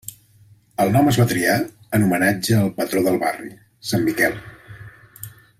El nom es va triar en homenatge al patró del barri, sant Miquel.